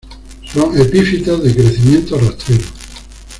Son epífitas de crecimiento rastrero.